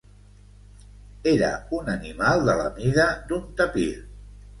Era un animal de la mida d'un tapir.